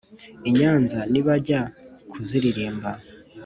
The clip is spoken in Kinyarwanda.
i nyanza nibajya kuziririmba